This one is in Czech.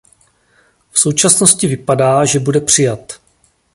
V současnosti vypadá, že bude přijat.